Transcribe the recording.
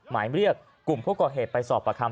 หมายเรียกกลุ่มผู้ก่อเหตุไปสอบประคัม